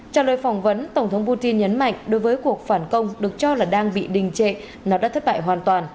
trả lời phỏng vấn tổng thống putin nhấn mạnh đối với cuộc phản công được cho là đang bị đình trệ nó đã thất bại hoàn toàn